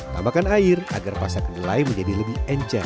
tambahkan air agar pasta kedelai menjadi lebih encer